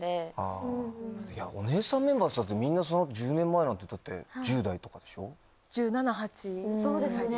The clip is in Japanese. お姉さんメンバーっつったってみんな１０年前なんて１０代とかでしょ？１７１８ぐらいです。